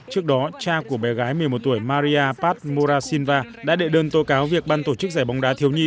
trước đó cha của bé gái một mươi một tuổi maria pat morasinva đã đệ đơn tố cáo việc ban tổ chức giải bóng đá thiếu nhi